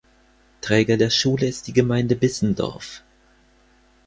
Träger der Schule ist die Gemeinde Bissendorf.